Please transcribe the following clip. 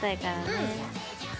うん。